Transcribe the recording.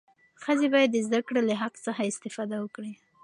ښځې باید د زدهکړې له حق څخه استفاده وکړي.